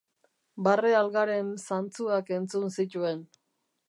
Barre algaren zantzuak entzun zituen.